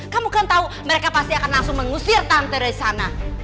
kamu kan tahu mereka pasti akan langsung mengusir tanter dari sana